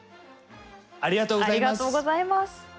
ありがとうございます。